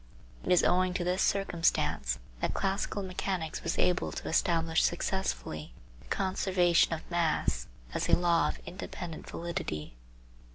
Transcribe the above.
It is owing to this circumstance that classical mechanics was able to establish successfully the conservation of mass as a law of independent validity.